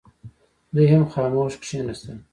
دوی هم خاموش کښېنستل.